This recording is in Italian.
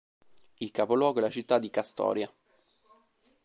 Il capoluogo è la città di Kastoria.